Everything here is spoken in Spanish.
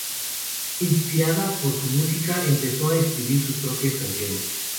Inspirada por su música, empezó a escribir sus propias canciones.